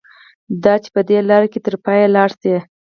دا چې په دې لاره کې تر پایه لاړ شي.